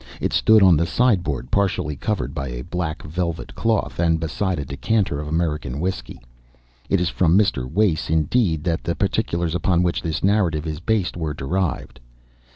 It stood on the sideboard partially covered by a black velvet cloth, and beside a decanter of American whisky. It is from Mr. Wace, indeed, that the particulars upon which this narrative is based were derived.